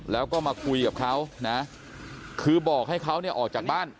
แล้วก็มาคุยกับเขานะคือบอกให้เขาเนี่ยออกจากบ้าน